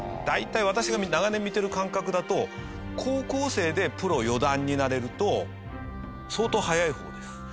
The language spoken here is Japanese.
大体私が長年見てる感覚だと高校生でプロ四段になれると相当早い方です。